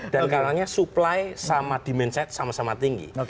dan karena supply sama di main site sama sama tinggi